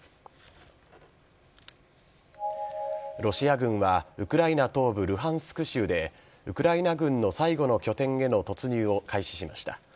ロシア軍はウクライナ東部・ルハンスク州でウクライナ軍の最後の拠点への突入を開始しました。